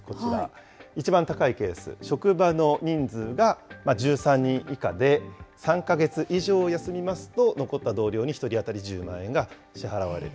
こちら、一番高いケース、職場の人数が１３人以下で３か月以上休みますと、残った同僚に１人当たり１０万円が支払われる。